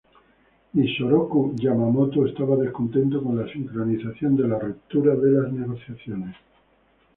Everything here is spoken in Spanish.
Isoroku Yamamoto estaba descontento con la sincronización de la ruptura de las negociaciones.